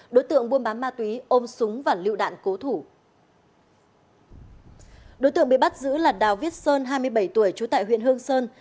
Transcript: đối tượng bị bắt giữ là đào viết sơn hai mươi bảy tuổi trú tại huyện hương sơn